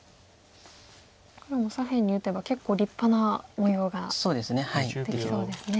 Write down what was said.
黒も左辺に打てば結構立派な模様ができそうですね。